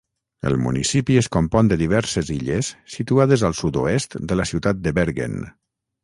El municipi es compon de diverses illes situades al sud-oest de la ciutat de Bergen.